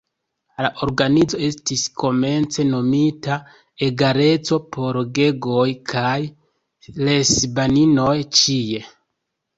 La organizo estis komence nomita "Egaleco por gejoj kaj lesbaninoj ĉie".